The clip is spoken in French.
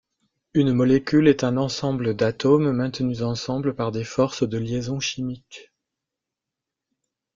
Une molécule est un ensemble d'atomes maintenus ensemble par des forces de liaisons chimiques.